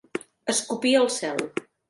Escopir al cel.